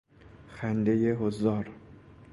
خندهی حضار